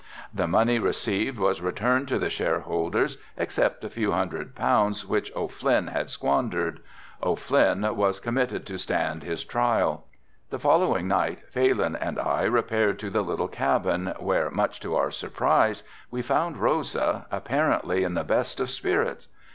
The money received was returned to the share holders, except a few hundred pounds which O'Flynn had squandered. O'Flynn was committed to stand his trial. The following night Phalin and I repaired to the little cabin where, much to our surprise, we found Rosa, apparently in the best of spirits.